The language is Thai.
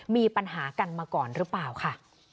มีปัญหากันมาก่อนหรือเปล่าค่ะ